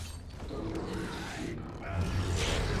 To měl být vtip?